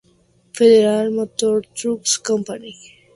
Federal Motor Truck Company.